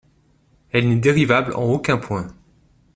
Elle n'est dérivable en aucun point.